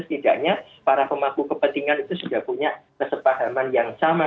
setidaknya para pemangku kepentingan itu sudah punya kesepahaman yang sama